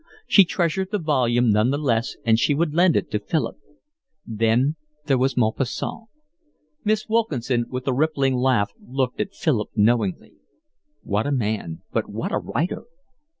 She treasured the volume none the less and she would lend it to Philip. Then there was Maupassant. Miss Wilkinson with a rippling laugh looked at Philip knowingly. What a man, but what a writer!